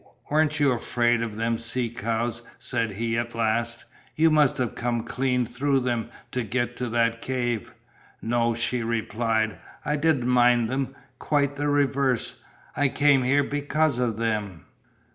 "Weren't you afraid of them sea cows?" said he at last, "you must have come clean through them to get to that cave." "No," she replied, "I didn't mind them, quite the reverse. I came here because of them."